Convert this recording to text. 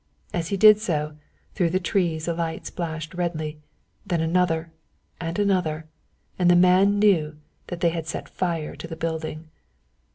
As he did so, through the trees a light splashed redly, then another and another, and the man knew that they had set fire to the building.